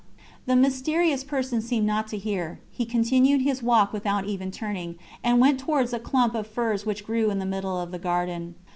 The mysterious person seemed not to hear, he continued his walk without even turning, and went towards a clump of firs which grew in the middle of the garden.